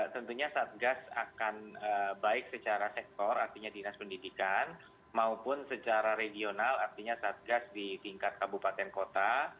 tentunya satgas akan baik secara sektor artinya dinas pendidikan maupun secara regional artinya satgas di tingkat kabupaten kota